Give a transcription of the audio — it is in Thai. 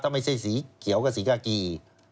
ทำไมเส้นสีเขียวกับสีกะกี้